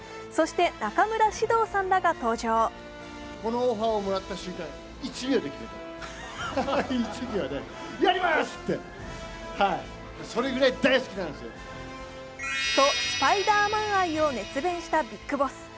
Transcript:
そして、中村獅童さんらが登場。とスパイダーマン愛を熱弁したビッグボス。